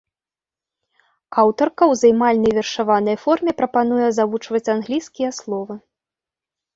Аўтарка ў займальнай вершаванай форме прапануе завучваць англійскія словы.